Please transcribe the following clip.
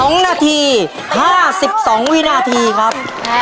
๒นาที๕๒วินาทีครับ